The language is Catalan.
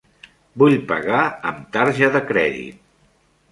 Vull pagar amb tarja de crèdit.